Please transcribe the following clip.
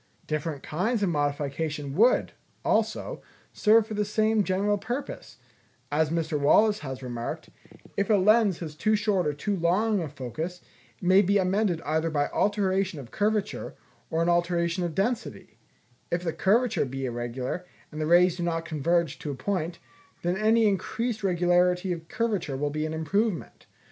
Different kinds of modification would, also, serve for the same general purpose: as Mr. Wallace has remarked, "If a lens has too short or too long a focus, it may be amended either by an alteration of curvature, or an alteration of density; if the curvature be irregular, and the rays do not converge to a point, then any increased regularity of curvature will be an improvement.